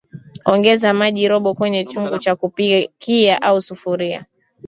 Ongeza maji robo kwenye chungu cha kupikia au sufuria